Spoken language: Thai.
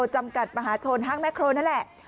จำกัดประหารชนฮักแม็กโครนั่นแหละ